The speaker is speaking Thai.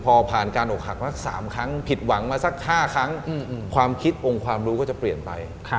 พอผ่านการอกหักมา๓ครั้งผิดหวังมาสัก๕ครั้งความคิดองค์ความรู้ก็จะเปลี่ยนไป